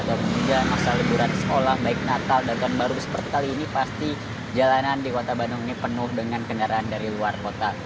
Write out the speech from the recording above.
juga masa liburan sekolah baik natal dan tahun baru seperti kali ini pasti jalanan di kota bandung ini penuh dengan kendaraan dari luar kota